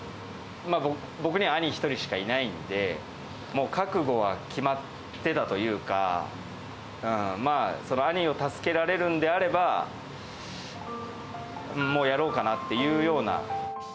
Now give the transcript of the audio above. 僕には兄１人しかいないんで、もう覚悟は決まってたというか、兄を助けられるんであれば、もう、やろうかなっていうような。